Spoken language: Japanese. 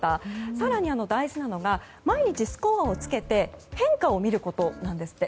更に大事なのが毎日スコアをつけて変化を見ることなんですって。